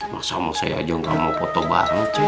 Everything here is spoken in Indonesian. masa mau saya aja gak mau foto bareng ceng